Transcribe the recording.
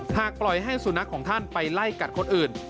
หากปล่อยให้สุนัขของท่านไปไล่กัดคนอื่น